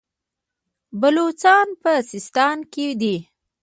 بلوڅان په سیستان کې دي.